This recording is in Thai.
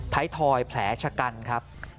ไท้ทอยแผลฉกันครับ